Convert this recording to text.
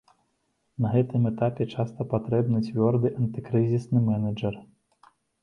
На гэтым этапе часта патрэбны цвёрды антыкрызісны мэнэджар.